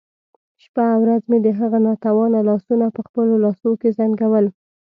شپه او ورځ مې د هغه ناتوانه لاسونه په خپلو لاسو کې زنګول.